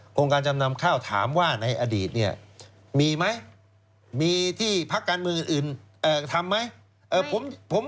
โครงการจำนำข้าวถามว่าในอดีตเนี่ยมีไหมมีที่พักการเมืองอื่นทำไหม